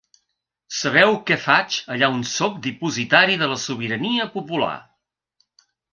Sabeu què faig allà on sóc dipositari de la sobirania popular.